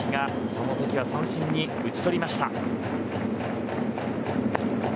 その時は三振に打ち取りました。